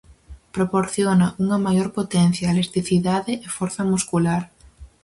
Proporciona unha maior potencia, elasticidade e forza muscular.